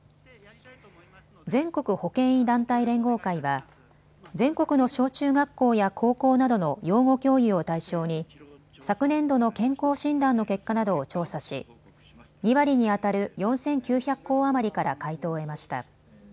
全国保険医団体連合会は全国の小中学校や高校などの養護教諭を対象に昨年度の健康診断の結果などを調査し、２割にあたる４９００校余りから回答を得ました。